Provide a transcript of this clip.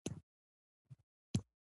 دا کار مې وکړ چې باندې یخ ونه شي.